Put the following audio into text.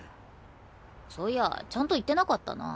そういやちゃんと言ってなかったな。